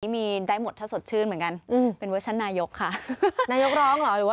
มีได้หมดถ้าสดชื่นเหมือนกันอืมเป็นเวอร์ชั่นนายกค่ะนายกร้องเหรอหรือว่า